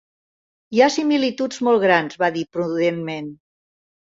"Hi ha similituds molt grans", va dir prudentment.